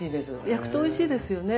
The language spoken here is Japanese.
焼くとおいしいですよね。